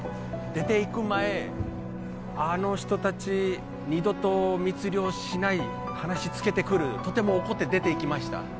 出ていく前あの人達二度と密漁しない話つけてくるとても怒って出ていきました